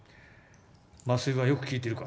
麻酔はよく効いているか？